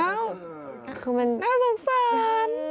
อ้าวคือมันน่าสงสาร